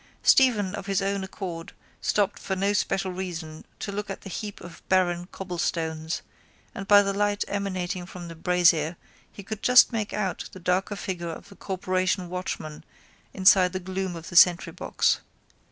Stephen of his own accord stopped for no special reason to look at the heap of barren cobblestones and by the light emanating from the brazier he could just make out the darker figure of the corporation watchman inside the gloom of the sentrybox.